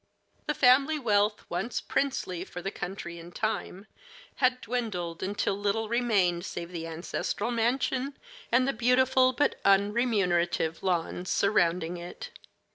The family wealth, once princely for the country and time, had dwindled until little remained save the ancestral mansion and the beautiful but unremunerative lawns surrounding it.